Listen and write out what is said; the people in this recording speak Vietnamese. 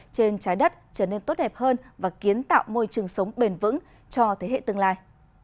trên trái đất trở nên tốt đẹp hơn và kiến tạo môi trường sống bền vững cho thế hệ tương lai